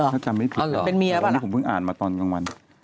เป็นเมียป่ะละอันนี้ผมพึ่งอ่านมาตอนกลางวัน